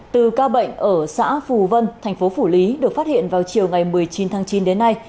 từ ca bệnh ở xã phù vân thành phố phủ lý được phát hiện vào chiều ngày một mươi chín tháng chín đến nay